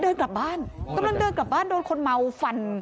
เดินกลับบ้านกำลังเดินกลับบ้านโดนคนเมาฟัน